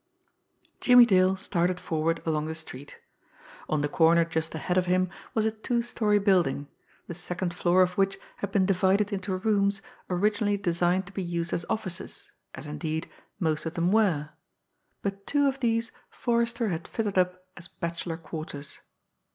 Jimmie Dale started forward along the street. On the corner just ahead of him was a two story building, the second floor of which had been divided into rooms originally designed to be used as offices, as, indeed, most of them were, but two of these Forrester had fitted up as bachelor quarters.